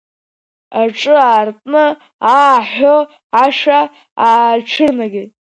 Аҿы аартны аа ҳәа ашәа аацәырнагеит.